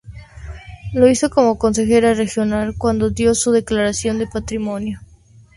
Lo hizo como Consejera Regional, cuando dio su declaración de patrimonio.